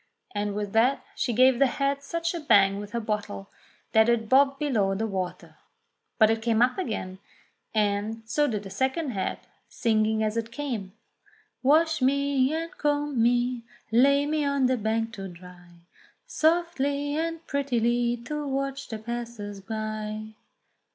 '* And with that she gave the head such a bang with her bottle that it bobbed below the water. But it came up again, and so did a second head, singing as it came : "Wash me, and comb me, lay me on the bank to dry Softly and prettily to watch the passers by."